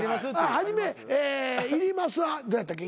初めいりますはどうやったっけ？